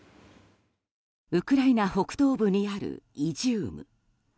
ウクライナ北東部にあるイジューム。